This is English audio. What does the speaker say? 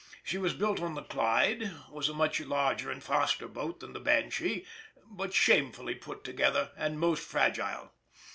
She was built on the Clyde, was a much larger and faster boat than the Banshee, but shamefully put together, and most fragile.